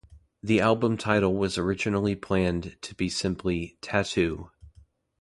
The album title was originally planned to be simply "Tattoo".